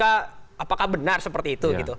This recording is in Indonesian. apakah benar seperti itu